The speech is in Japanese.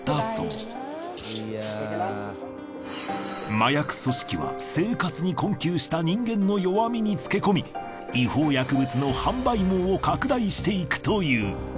麻薬組織は生活に困窮した人間の弱みにつけ込み違法薬物の販売網を拡大していくという。